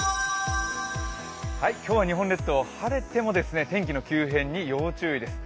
今日は日本列島、晴れても天気の急変に要注意です。